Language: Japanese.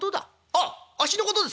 「あっあっしのことですか？